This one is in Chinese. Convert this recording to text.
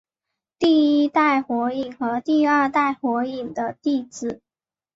第一代火影和第二代火影的弟子。